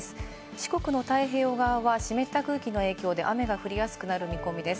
四国の太平洋側は湿った空気の影響で雨が降りやすくなる見込みです。